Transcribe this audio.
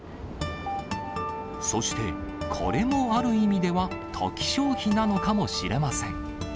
そして、これもある意味ではトキ消費なのかもしれません。